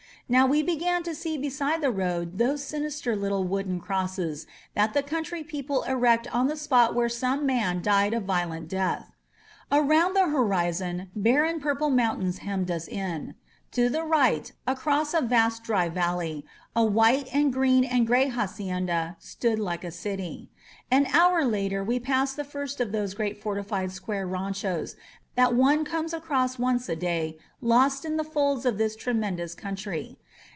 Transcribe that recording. Now we began to see be side the road those sinister little wooden crosses that the country people erect on the spot where some man died a violent death. Around the horizon barren pur ple mountains hemmed us in. To the right, across a vast dry valley, a white and green and gray hacienda stood like a city. An hour later we passed the first of those great fortified square ranchos that one comes across once a day lost in the folds of this tremendous country.